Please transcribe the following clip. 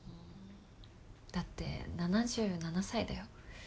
だって７７歳だよ。